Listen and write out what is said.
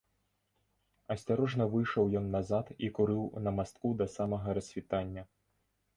Асцярожна выйшаў ён назад і курыў на мастку да самага рассвітання.